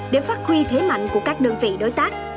để phát huy thế mạnh của các đơn vị đối tác